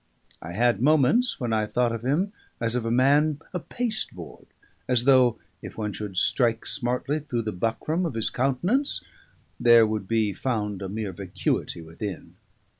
I had moments when I thought of him as of a man of pasteboard as though, if one should strike smartly through the buckram of his countenance, there would be found a mere vacuity within.